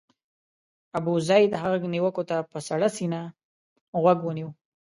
ابوزید هغو نیوکو ته په سړه سینه غوږ ونیو.